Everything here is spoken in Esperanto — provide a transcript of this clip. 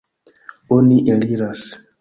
Oni eliras.